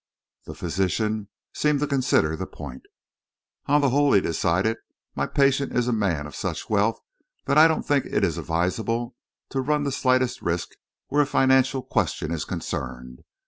The physician seemed to consider the point. "On the whole," he decided, "my patient is a man of such wealth that I don't think it is advisable to run the slightest risk where a financial question is concerned.